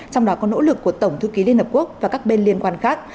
trong đó có nỗ lực của tổng thư ký liên hợp quốc và các bên liên quan khác